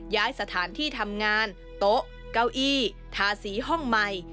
ย้ายสถานที่ทำงานโต๊ะเก้าอี้ทาสีห้องใหม่